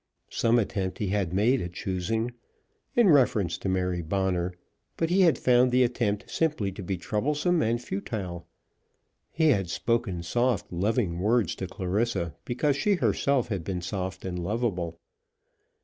Some attempt he had made at choosing, in reference to Mary Bonner; but he had found the attempt simply to be troublesome and futile. He had spoken soft, loving words to Clarissa, because she herself had been soft and lovable.